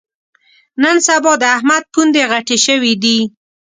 نن سبا د احمد پوندې غټې شوې دي.